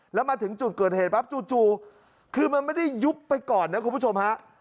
แล้วมาถึงจุดเกิดเหตุปั๊บจู่คือมันไม่ได้ยุบไปก่อนนะคุณผู้ชมฮะ